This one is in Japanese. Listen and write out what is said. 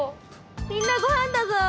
みんなごはんだぞ！